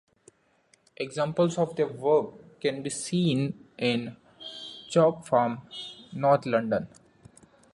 Examples of their work can be seen in Chalk Farm, North London.